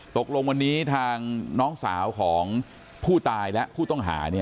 ตกลงวันนี้ทางน้องสาวของผู้ตายและผู้ต้องหา